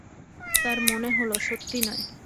তাঁর মনে হলো, সত্যি নয়।